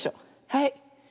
はい。